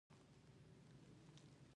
هوښیار خلک د راتلونکې لپاره پلان لري.